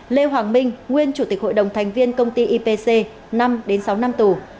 lê hoàng minh nguyên chủ tịch hội đồng thành viên công ty ipc năm sáu năm tù